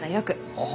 ああ。